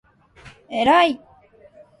えらい！！！！！！！！！！！！！！！